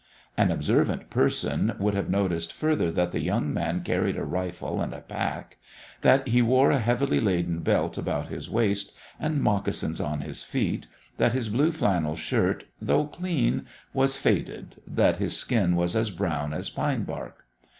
An observant person would have noticed further that the young man carried a rifle and a pack, that he wore a heavily laden belt about his waist, and moccasins on his feet, that his blue flannel shirt, though clean, was faded, that his skin was as brown as pine bark.